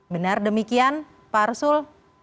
benar demikian pak arsul